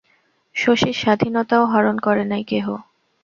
শশীর স্বাধীনতাও হরণ করে নাই কেহ।